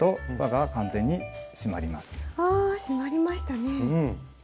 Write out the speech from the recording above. ああ締まりましたね。